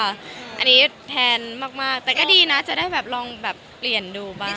อันนี้แทนมากแต่ก็ดีนะจะได้แบบลองแบบเปลี่ยนดูบ้าง